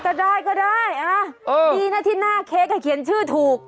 ก็ได้ดีนะที่น่าเค้กเขียนชื่อถูก